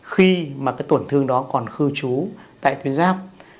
khi mà cái tổn thương đó còn khư trú tại tuyến ráp